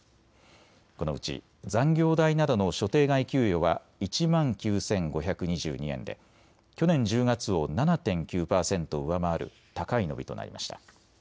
このうち残業代などの所定外給与は１万９５２２円で去年１０月を７．９％上回る高い伸びとなりました。